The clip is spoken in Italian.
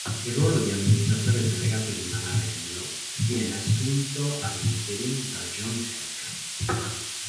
Il ruolo di amministratore delegato di Maranello viene assunto ad interim da John Elkann.